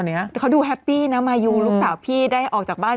แต่เขาดูแฮปปี้นะมายูลูกสาวพี่ได้ออกจากบ้าน